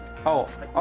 青。